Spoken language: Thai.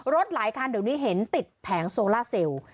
หลายคันเดี๋ยวนี้เห็นติดแผงโซล่าเซลล์